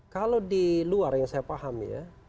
kalau di luar yang saya pahami ya